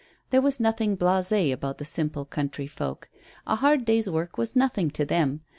There was nothing blasé about the simple country folk. A hard day's work was nothing to them.